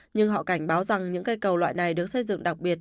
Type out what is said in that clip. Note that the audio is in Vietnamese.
nhưng họ cảnh báo rằng những cây cầu loại này được xây dựng đặc biệt